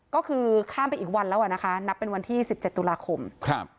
ก็คือข้ามไปอีกวันแล้วอ่ะนะคะนับเป็นวันที่สิบเจ็ดตุลาคมครับ